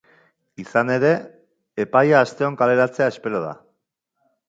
Izan ere, epaia asteon kaleratzea espero da.